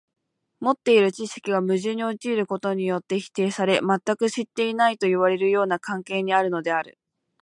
持っている知識が矛盾に陥ることによって否定され、全く知っていないといわれるような関係にあるのである。